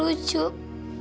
itu untuk lu